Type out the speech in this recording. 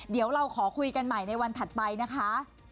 เดี๋ยวเราขอคุยกันใหม่ในวันถัดไปนะคะ